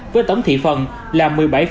với tổng thị phần là một mươi bảy sáu mươi năm